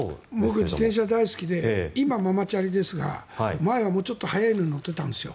僕、自転車大好きで今はママチャリですが前はもうちょっと速いのを乗っていたんですよ。